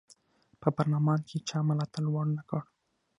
په پارلمان کې یې چا ملاتړ ونه کړ.